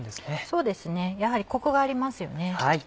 そうですねやはりコクがありますよね。